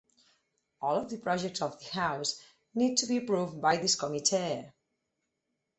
All of the projects of the House need to be approved by this committee.